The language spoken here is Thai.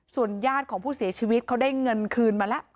ส่วนญาติของผู้เสียชีวิตเขาได้เงินคืนมาแล้ว